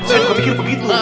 saya juga mikir begitu